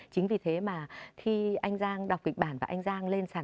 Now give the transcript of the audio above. chính vì thế mà khi anh giang đọc kịch bản và anh giang lên sàn